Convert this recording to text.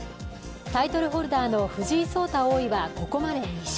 タイトルホルダーの藤井聡太王位はここまで２勝、